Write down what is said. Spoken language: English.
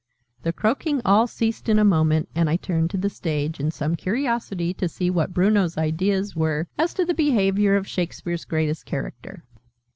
The croaking all ceased in a moment, and I turned to the stage, in some curiosity to see what Bruno's ideas were as to the behaviour of Shakespeare's greatest Character.